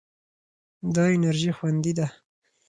دا انرژي خوندي ده.